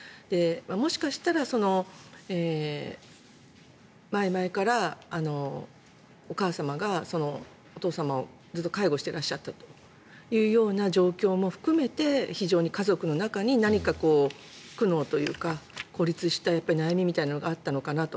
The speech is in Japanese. もしかしたら前々からお母様がお父様をずっと介護していらっしゃったというような状況も含めて非常に家族の中に何か苦悩というか孤立した悩みみたいなのがあったのかなと。